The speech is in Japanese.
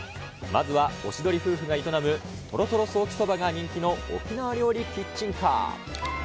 まずはおしどり夫婦が営む、とろとろソーキそばが人気の沖縄料理キッチンカー。